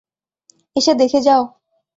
এসে দেখে যাও!